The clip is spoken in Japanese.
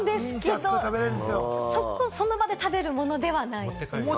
その場で食べるものではない。